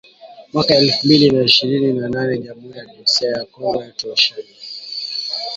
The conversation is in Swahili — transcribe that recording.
mwaka elfu mbili na ishirini na nane jamuhuri ya demokrasia ya Kongo yatoa ushahidi